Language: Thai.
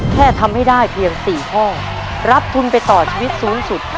แค่ทำให้ได้เพียง๔ข้อรับทุนไปต่อชีวิตสูงสุด